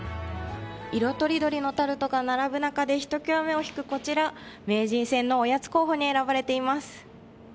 色とりどりのタルトが並ぶ中でひときわ、目を引くこちら、名人戦のおやつ候補に選ばれています。